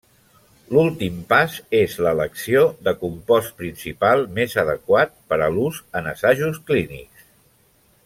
L'últim pas és l'elecció de compost principal més adequat per a l'ús en assajos clínics.